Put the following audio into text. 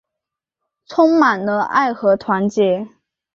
充满了爱和团结